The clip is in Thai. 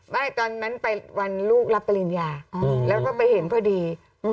ไม่ตอนนั้นไปวันลูกรับประวัติศาสตร์ปริญญาแล้วก็ไปเห็นก็ดี